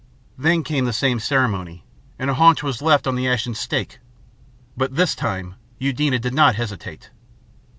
Then came the same ceremony, and a haunch was left on the ashen stake; but this time Eudena did not hesitate.